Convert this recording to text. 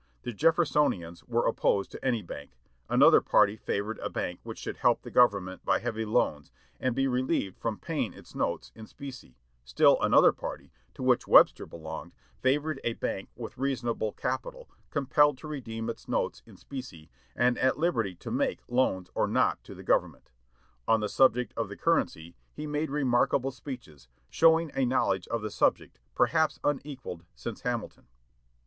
The Jeffersonians were opposed to any bank; another party favored a bank which should help the government by heavy loans, and be relieved from paying its notes in specie; still another party, to which Webster belonged, favored a bank with reasonable capital, compelled to redeem its notes in specie, and at liberty to make loans or not to the government. On the subject of the currency he made some remarkable speeches, showing a knowledge of the subject perhaps unequalled since Hamilton.